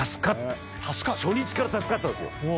初日から助かったんですよ。